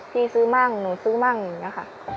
พี่ซื้อมั่งหนูซื้อมั่งเนี่ยค่ะ